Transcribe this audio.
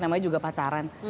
namanya juga pacaran